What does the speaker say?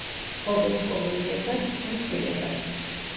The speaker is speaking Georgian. ცხოვრობს კოლონიებად, ან წყვილებად.